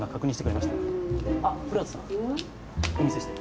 お見せして。